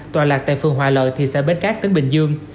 tòa lạc tại phường hòa lợi thị xã bến cát tỉnh bình dương